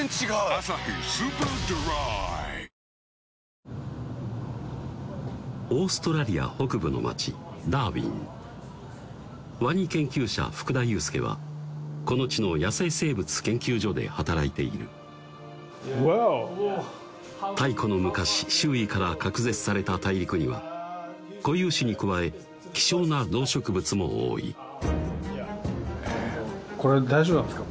「アサヒスーパードライ」オーストラリア北部の街ダーウィンワニ研究者・福田雄介はこの地の野生生物研究所で働いている太古の昔周囲から隔絶された大陸には固有種に加え希少な動植物も多いこれ大丈夫なんですか？